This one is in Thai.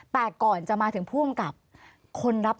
แต่ก่อนจะมาถึงผู้ภูมิกับ